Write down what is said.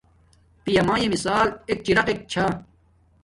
پیامایے مشال ایک چراقق چھا